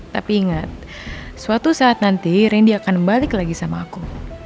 tapi ingat suatu saat nanti randy akan balik lagi sama aku